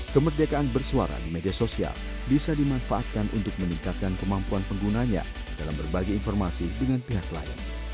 kemerdekaan bersuara di media sosial bisa dimanfaatkan untuk meningkatkan kemampuan penggunanya dalam berbagi informasi dengan pihak lain